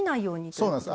そうなんです